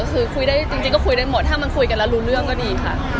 คือคุยได้จริงก็คุยได้หมดถ้ามันคุยกันแล้วรู้เรื่องก็ดีค่ะ